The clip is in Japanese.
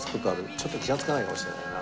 ちょっと気がつかないかもしれないな。